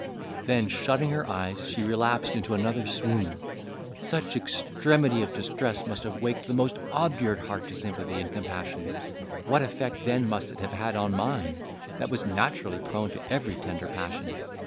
Then shutting her eyes, she relapsed into another swoon. Such extremity of distress must have waked the most obdurate heart to sympathy and compassion; what effect then must it have had on mine, that was naturally prone to every tender passion?